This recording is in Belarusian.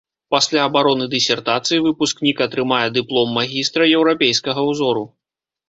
Пасля абароны дысертацыі выпускнік атрымае дыплом магістра еўрапейскага ўзору.